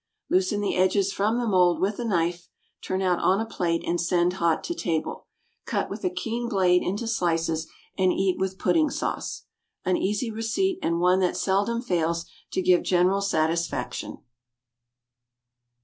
Loosen the edges from the mould with a knife, turn out on a plate, and send hot to table. Cut with a keen blade into slices, and eat with pudding sauce. An easy receipt and one that seldom fails to give general satisfaction.